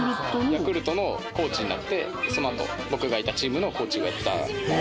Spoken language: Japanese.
ヤクルトのコーチになって、そのあと僕がいたチームのコーチをやってた。